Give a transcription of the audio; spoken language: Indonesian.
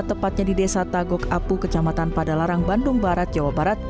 tepatnya di desa tagok apu kecamatan padalarang bandung barat jawa barat